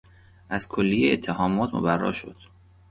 از کلیه اتهامات مبرا شد.